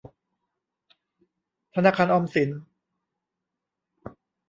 ธนาคารออมสิน